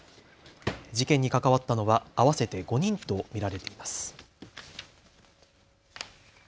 事件に関わったのは合わせて５人と見られています。